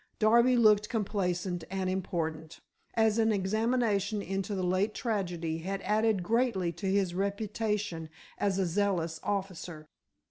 Darby looked complacent and important, as an examination into the late tragedy had added greatly to his reputation as a zealous officer.